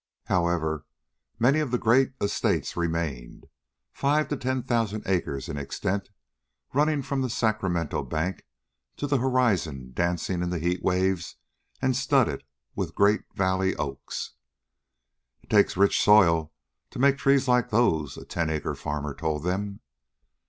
However, many of the great estates remained, five to ten thousand acres in extent, running from the Sacramento bank to the horizon dancing in the heat waves, and studded with great valley oaks. "It takes rich soil to make trees like those," a ten acre farmer told them.